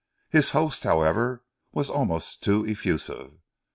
His host, however, was almost too effusive.